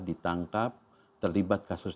ditangkap terlibat kasus